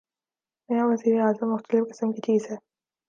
نیا وزیر اعظم مختلف قسم کی چیز ہے۔